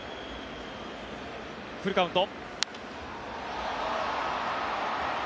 フルカウント。